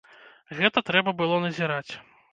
Гэта трэба было назіраць!